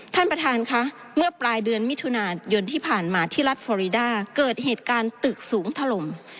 ท่านประธานค่ะเมื่อปลายเดือนมิถุนายนที่ผ่านมาที่รัฐฟอรีดาเกิดเหตุการณ์ตึกสูงถล่ม